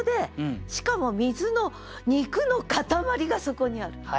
しかも「みづの肉の塊」がそこにある。